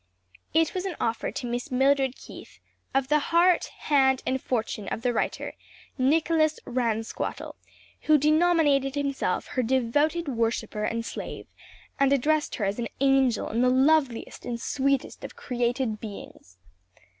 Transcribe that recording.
It was an offer to Miss Mildred Keith, of the heart, hand and fortune of the writer, Nicholas Ransquattle, who denominated himself her devoted worshiper and slave, and addressed her as an angel and the loveliest and sweetest of created beings.